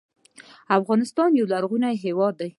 افغانستان یو لرغونی هېواد دی